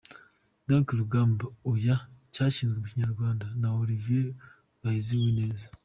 Dorcy Rugamba : Oya cyashyizwe mu Kinyarwanda na Olivier Bahizi Uwineza.